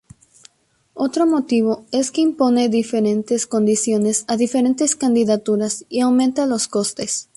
Otro motivo es que impone diferentes condiciones a diferentes candidaturas y aumenta los costes.